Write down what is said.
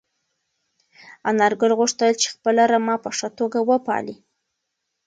انارګل غوښتل چې خپله رمه په ښه توګه وپالي.